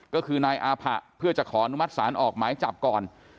ก็คือนายอาผะเพื่อจะขออนุมัติศาลออกหมายจับก่อน